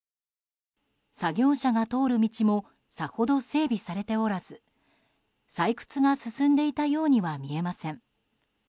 作業車が通る道もさほど整備されておらず採掘が進んでいたようには見えません。